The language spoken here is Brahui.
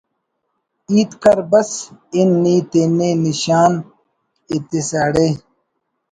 ہیت کر بس ہِن نی تینے نشان ایتسہ اڑے